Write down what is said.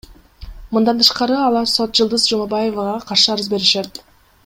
Мындан тышкары алар сот Жылдыз Жумабаевага каршы арыз беришет.